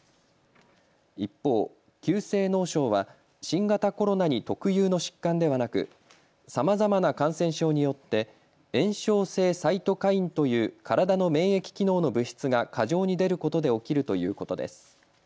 一方、急性脳症は新型コロナに特有の疾患ではなくさまざまな感染症によって炎症性サイトカインという体の免疫機能の物質が過剰に出ることで起きるということです。